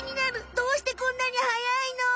どうしてこんなにはやいの？